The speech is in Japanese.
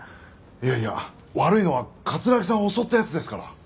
いやいや悪いのは城さんを襲った奴ですから。